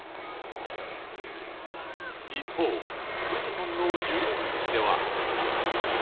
一方、富士山の遊園地では。